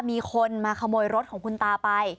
มีคนมาขโมยรถของคุณตาไป